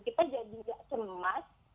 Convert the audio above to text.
kita jadi gak cemas